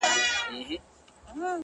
را سهید سوی! ساقي جانان دی!